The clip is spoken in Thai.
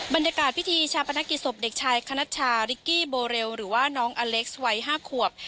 บรรยากาศพิธีชาปนกิจศพเด็กชายคณัชชาริกกี้โบเรลหรือว่าน้องอเล็กซ์วัย๕ขวบ